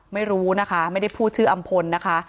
ไม่รู้นะคะไม่ได้พูดชื่ออำพลนะคะ